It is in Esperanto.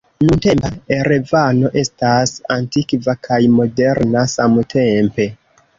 Nuntempa Erevano estas antikva kaj moderna samtempe.